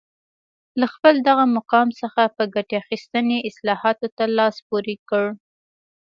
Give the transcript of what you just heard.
له خپل دغه مقام څخه په ګټې اخیستنې اصلاحاتو ته لاس پورې کړ